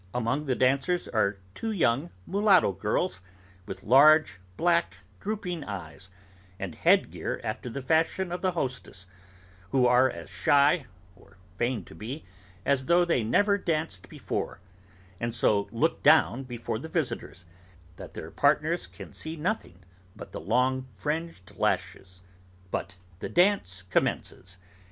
Among the dancers are two young mulatto girls, with large, black, drooping eyes, and head gear after the fashion of the hostess, who are as shy, or feign to be, as though they never danced before, and so look down before the visitors, that their partners can see nothing but the long fringed lashes. But the dance commences.